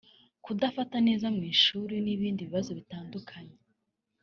kudafata neza mu ishuri n’ibindi bibazo bitandukanye